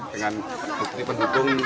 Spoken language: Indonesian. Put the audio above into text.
dengan bukti bukti yang kita aman